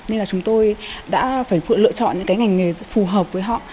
nên là chúng tôi đã phải lựa chọn những cái ngành nghề phù hợp với họ